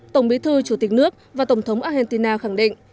tổng bí thư chủ tịch nước và tổng thống argentina khẳng định